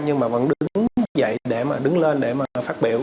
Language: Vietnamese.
nhưng mà vẫn đứng như vậy để mà đứng lên để mà phát biểu